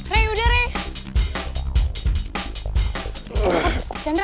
reh udah reh